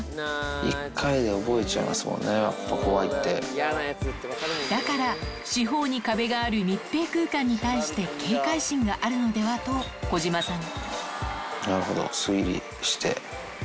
一回で覚えちゃいますもんね、だから、四方に壁がある密閉空間に対して警戒心があるのではと、小島さん。